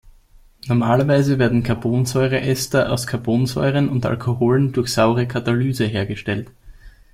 Normalerweise werden Carbonsäureester aus Carbonsäuren und Alkoholen durch saure Katalyse hergestellt.